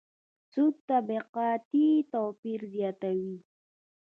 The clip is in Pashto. سود طبقاتي توپیر زیاتوي.